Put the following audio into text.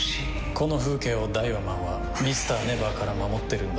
この風景をダイワマンはＭｒ．ＮＥＶＥＲから守ってるんだ。